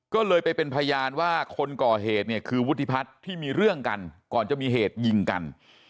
ก็เลยไปเป็นพยานว่าคนก่อเหตุเนี่ยคือวุฒิพัฒน์ที่มีเรื่องกันก่อนจะมีเหตุยิงกัน